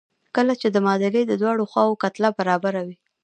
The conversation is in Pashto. کله چې د معادلې د دواړو خواوو کتله برابره وي.